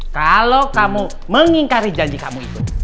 kalau kamu mengingkari janji kamu itu